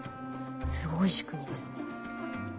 すごい仕組みですね。